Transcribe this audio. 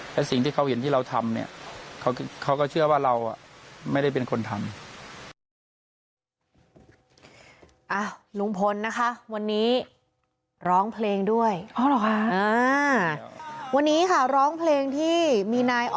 แต่สิ่งที่เขาเห็นที่เราทำเนี่ยเขาก็เชื่อว่าเราไม่ได้เป็นคนทำ